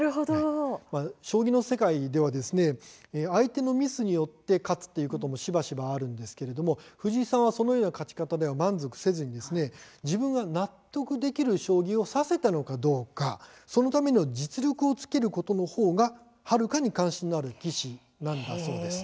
将棋の世界では相手のミスによって勝つということもしばしばあるんですけれども藤井さんはそのような勝ち方では満足せずに自分が納得できる将棋を指せたのかどうかそのための実力をつけることのほうがはるかに関心のある棋士なんだそうです。